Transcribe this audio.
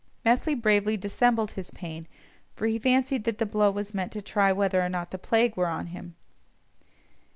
Methley bravely dissembled his pain, for he fancied that the blow was meant to try whether or not the plague were on him.